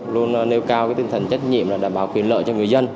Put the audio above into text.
luôn nêu cao cái tinh thần trách nhiệm là đảm bảo quyền lợi cho người dân